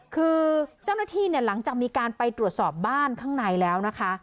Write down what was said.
คือเจ้าหน้าที่เนี่ยหลังจากมีการไปตรวจสอบบ้านข้างในแล้วนะคะ